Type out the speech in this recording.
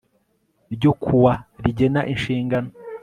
ryo kuwa rigena inshingano